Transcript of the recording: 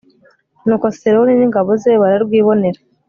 nuko seroni n'ingabo ze bararwibonera